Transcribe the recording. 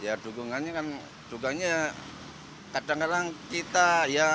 ya dukungannya kan dukungannya kadang kadang kita ya